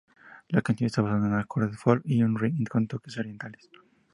La canción está basada en acordes folk y un riff con toques orientales.